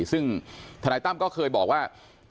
ซึ่งธนายตั้มก็เคยบอกว่า